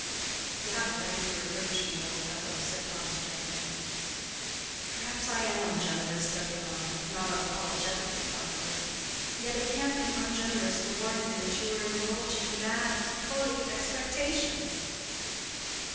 "You have a right to reproach me, old fellow," said Hans, gently. "Perhaps I am ungenerous," said Deronda, not apologetically, however. "Yet it can't be ungenerous to warn you that you are indulging mad, Quixotic expectations."